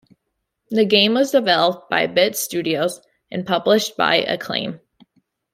The game was developed by Bits Studios and published by Acclaim.